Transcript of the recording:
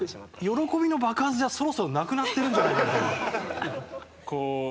喜びの爆発じゃそろそろなくなってるんじゃないかというような。